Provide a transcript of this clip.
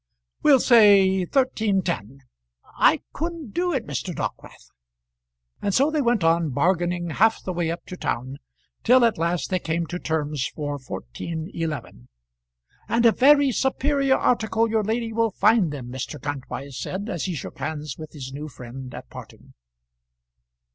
"We'll say thirteen ten." "I couldn't do it, Mr. Dockwrath " And so they went on, bargaining half the way up to town, till at last they came to terms for fourteen eleven. "And a very superior article your lady will find them," Mr. Kantwise said as he shook hands with his new friend at parting.